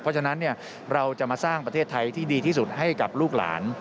เพราะฉะนั้นเราจะมาสร้างประเทศไทยที่ดีที่สุดให้กับลูกหลาน